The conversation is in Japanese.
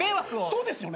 そうですよね。